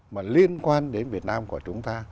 mà liên quan đến việt nam của chúng ta